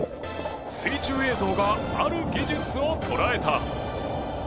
水中映像がある技術を捉えた。